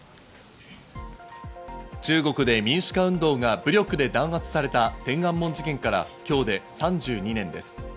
中国で民主化運動が武力で弾圧された天安門事件から今日で３２年です。